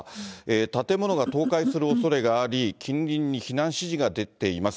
建物が倒壊するおそれがあり、近隣に避難指示が出ています。